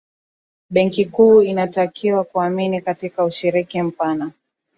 benki kuu inatakiwa kuamini katika ushiriki mpana